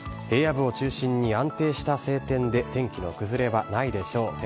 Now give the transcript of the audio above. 平野部を中心に安定した晴天で、天気の崩れはないでしょう。